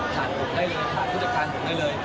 ผ่านผู้จัดการผมได้เลย